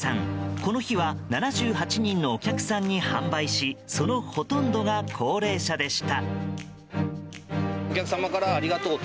この日は７８人のお客さんに販売しそのほとんどが高齢者でした。